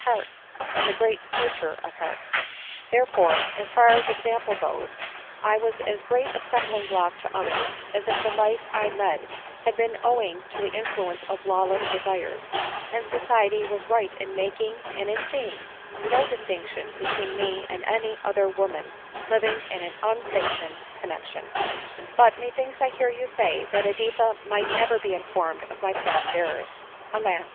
hearts, and the great Searcher of hearts ; therefore, as far as example goes, I was as great a stumbling block to others as if the life I led had been owing to the influence of lawless desires ; and society was right in making, and in seeing, no distinction between me and any other woman living in an unsanctioned connexion. "But methinks I hear you say, that Editha might never be informed of my past errors. Alas